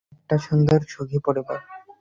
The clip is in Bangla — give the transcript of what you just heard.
একটা সুন্দর সুখী পরিবার!